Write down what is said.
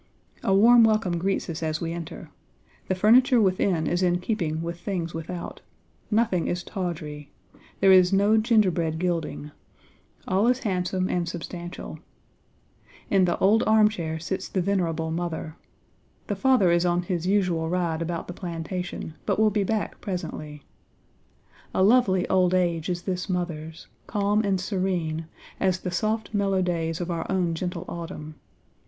"A warm welcome greets us as we enter. The furniture within is in keeping with things without; nothing is tawdry; there is no gingerbread gilding; all is handsome and substantial. In the 'old arm chair' sits the venerable mother. The father is on his usual ride about the plantation; but will be back presently. A lovely old age is this mother's, calm and serene, as the soft mellow days of our own gentle autumn.